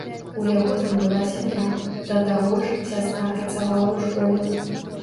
У яго там была сям'я, да таго ж, сястра працавала ў школе.